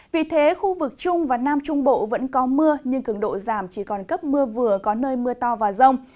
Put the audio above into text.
vì thế khu vực trung và nam trung bộ vẫn có mưa nhưng cường độ giảm chỉ còn cấp mưa vừa có nơi mưa to và rông